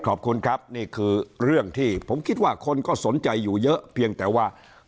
ขอบคุณครับนี่คือเรื่องที่ผมคิดว่าคนก็สนใจอยู่เยอะเพียงแต่ว่า